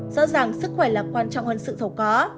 rõ ràng sức khỏe là quan trọng hơn sự giàu có